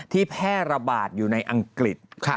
แพร่ระบาดอยู่ในอังกฤษ